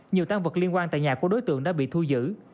nhiều tăng vật liên quan tại nhà của đối tượng đã bị thu giữ